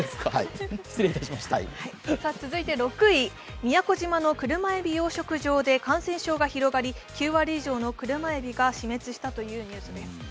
続いて６位、宮古島の車えび養殖場で９割以上の車えびが消滅したというニュースです。